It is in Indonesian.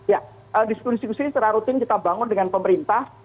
ya diskusi diskusi ini secara rutin kita bangun dengan pemerintah